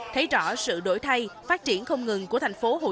thấy rõ sự đổi thay phát triển không ngừng của thành phố hồ chí minh